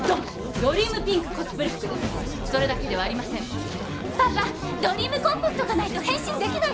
ドリームピンクコスプレ服ですそれだけではありません「パパドリームコンパクトがないと変身できない」